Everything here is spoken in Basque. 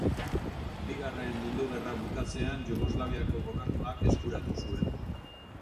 Bigarren Mundu Gerra bukatzean Jugoslaviako gobernuak eskuratu zuen.